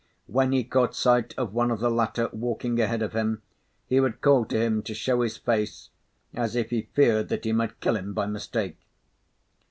When he caught sight of one of the latter walking ahead of him, he would call to him to show his face, as if he feared that he might kill him by mistake.